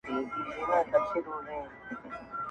لاسونه مي د خوږ زړه و پرهار ته ور وړم,